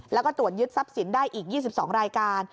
แล้วก็ตรวจยึดทรัพย์สินได้อีก๒๒รายการ